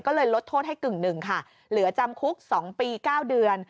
ก็เลยลดโทษให้๑๕ค่ะเหลือจำคุก๒ปี๙เดือน